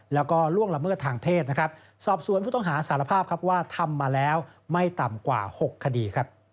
แล้วก็ล่วงลำเมื่อทางเพศสอบส่วนผู้ต้องหาสารภาพว่าทำมาแล้วไม่ต่ำกว่า๖คดี